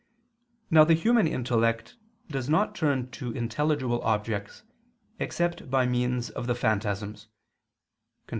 Now the human intellect does not turn to intelligible objects except by means of the phantasms [*Cf.